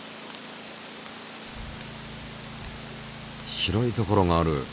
白いところがある。